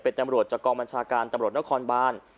เป็นตำรวจจากกองบัญชาการตำรวจนครบาน